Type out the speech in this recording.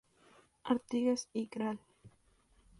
Artigas y Gral.